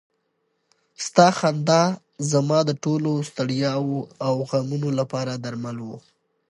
ستا خندا زما د ټولو ستړیاوو او غمونو لپاره درمل و.